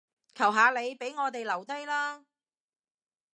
求下你，畀我哋留低啦